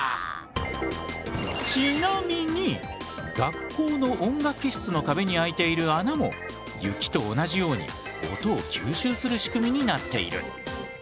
ちなみに学校の音楽室の壁に開いている穴も雪と同じように音を吸収する仕組みになっている。